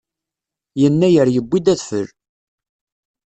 Yennayer yuwi-d adfel.